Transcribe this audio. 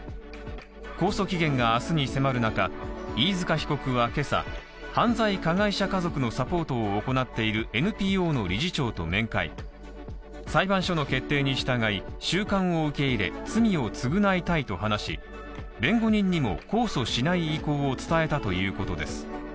控訴期限が明日に迫る中飯塚被告はけさ犯罪加害者家族のサポートを行っているＮＰＯの理事長と面会裁判所の決定に従い収監を受け入れ罪を償いたいと話し弁護人にも控訴しない意向を伝えたということです